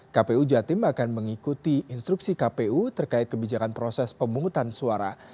kpu jatim akan mengikuti instruksi kpu terkait kebijakan proses pemungutan suara